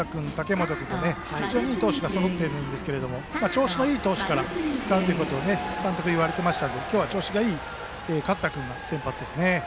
元君と非常にいい投手がそろっているんですけど調子がいい投手から使うということを監督は言われていましたので今日は調子がいい勝田君が先発ですね。